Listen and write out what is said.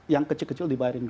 yang kecil kecil dibayar